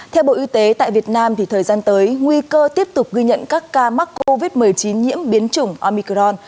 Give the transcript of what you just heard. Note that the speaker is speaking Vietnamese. theo bộ y tế tại việt nam thời gian tới nguy cơ tiếp tục ghi nhận các ca mắc covid một mươi chín nhiễm biến chủng amicron